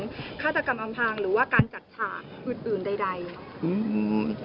ฆาตกรรมอำพางหรือว่าการจัดฉากอื่นใด